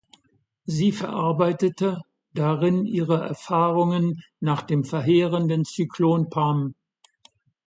Sie verarbeitete darin ihre Erfahrungen nach dem verheerenden Zyklon Pam.